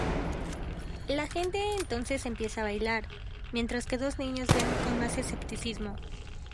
La gente entonces empieza a bailar, mientras que dos niños ven con más escepticismo.